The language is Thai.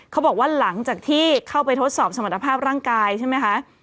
เขาบอกว่าหลังจากที่เข้าไปทดสอบสมรรถภาพร่างกายใช่ไหมคะ